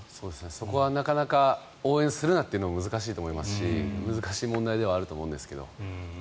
そこはなかなか応援するなというのは難しいと思いますし難しい問題ではあると思いますが。